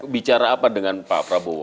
bicara apa dengan pak prabowo